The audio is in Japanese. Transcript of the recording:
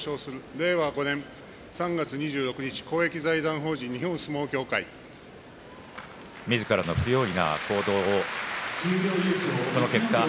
令和５年３月２６日公益財団法人日本相撲協会みずからの不用意な行動その結果